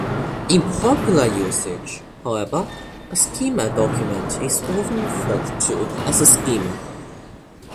In popular usage, however, a schema document is often referred to as a schema.